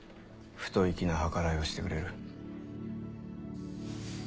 ふと粋な計らいをしてくれる。